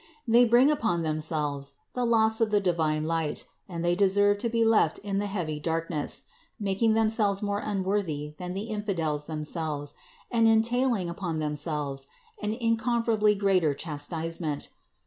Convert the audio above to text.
They bring upon them selves the loss of the divine light and they deserve to be left in the heavy darkness, making themselves more unworthy than the infidels themselves and entailing upon themselves an incomparably greater chastisement.